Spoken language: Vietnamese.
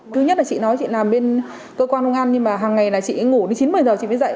thứ nhất là chị nói chị làm bên cơ quan công an nhưng mà hàng ngày là chị ngủ đến chín một mươi giờ chị mới dậy